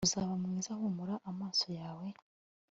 uzaba mwiza, humura amaso yawe